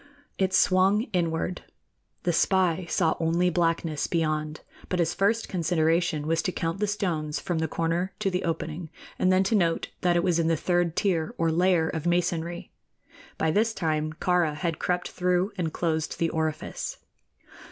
It swung inward. The spy saw only blackness beyond; but his first consideration was to count the stones from the corner to the opening, and then to note that it was in the third tier or layer of masonry. By this time Kāra had crept through and closed the orifice.